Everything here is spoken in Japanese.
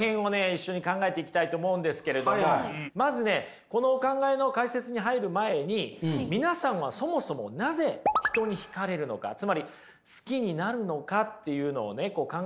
一緒に考えていきたいと思うんですけれどもまずねこのお考えの解説に入る前に皆さんはそもそもなぜ人にひかれるのかつまり好きになるのかっていうのをね考えていただきたいと思うんですけど。